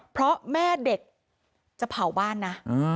เพราะแม่เด็กจะเผาบ้านนะ